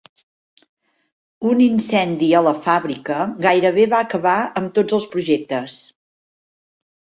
Un incendi a la fàbrica gairebé va acabar amb tots els projectes.